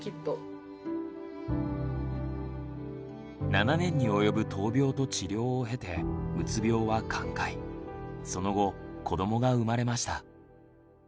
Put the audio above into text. ７年に及ぶ闘病と治療を経てその後子どもが生まれました。